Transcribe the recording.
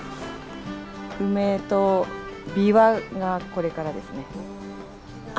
梅とびわがこれからですね。